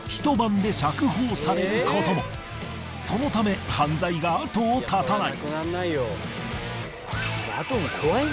そのため犯罪が後を絶たない。